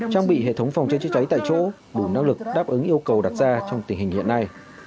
trang bị hệ thống phòng cháy chữa cháy tại chỗ đủ năng lực đáp ứng yêu cầu đặt ra trong tình hình hiện nay